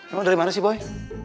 emang dari mana sih boy